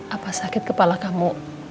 apa sakit kepala kamu